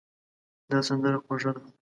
دا سندره خوږه ده.